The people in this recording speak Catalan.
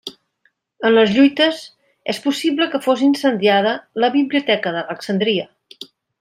En les lluites és possible que fos incendiada la biblioteca d'Alexandria.